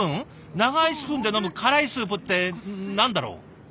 長いスプーンで飲む辛いスープって何だろう。